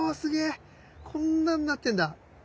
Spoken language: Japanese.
こんなんなってんだ。